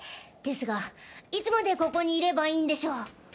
ですがいつまでここにいればいいんでしょう？